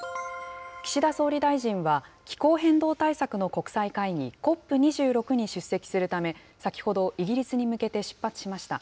岸田総理大臣は、気候変動対策の国際会議、ＣＯＰ２６に出席するため、先ほど、イギリスに向けて出発しました。